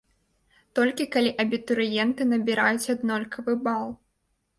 Толькі, калі абітурыенты набіраюць аднолькавы бал.